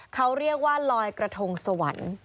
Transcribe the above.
เขาเรียกว่าลอยกระทงสวรรค์